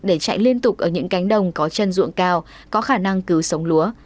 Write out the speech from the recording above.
để chạy liên tục ở những cánh đồng có chân ruộng cao có khả năng cứu sống lúa